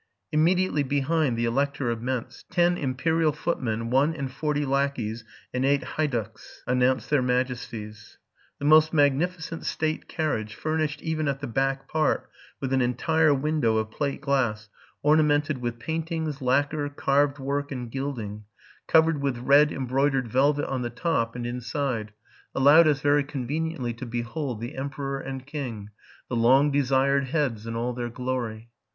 Immediately behind the Elector of Mentz, ten imperial foot men, one and forty lackeys, and eight heyducks announced their majesties. The most magnificent state carriage, fur nished even at the back part with an entire window of plate elass, ornamented with paintings, lacquer, carved work, and gilding, covered with red embroidered velvet on the top and inside, allowed us very conveniently to behold the emperor and king, the long desired heads, in all their glory.